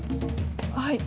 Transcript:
はい。